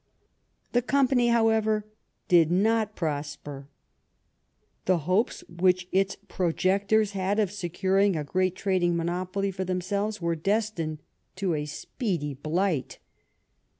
The company, however, did not prosper. The hopes which its projectors had of securing a great trading monopoly for themselves were destined to a speedy blight.